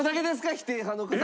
否定派の方は。